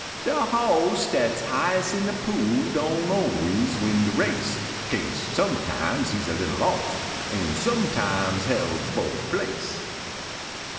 I)e boss dat shighes in de pool Doan always win de race, Kase sometimes he s a little off, An sometimes held fo place.